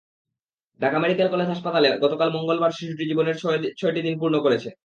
Dhaka medical college হাসপাতালে গতকাল মঙ্গলবার শিশুটি জীবনের ছয়-ছয়টি দিন পূর্ণ করেছে।